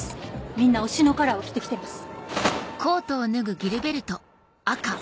みんな推しのカラーを着てきてます。